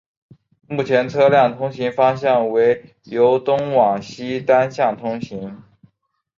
目前车辆通行方向为由东往西单向通行。